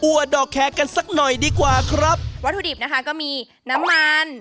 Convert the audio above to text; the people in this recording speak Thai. วัตถุดิบนะครับก็มีน้ำมัน